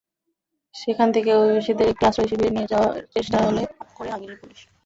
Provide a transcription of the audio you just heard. সেখান থেকে অভিবাসীদের একটি আশ্রয়শিবিরে নিয়ে যাওয়ার চেষ্টা করে হাঙ্গেরির পুলিশ।